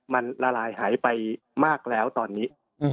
มันละลายหายไปมากแล้วตอนนี้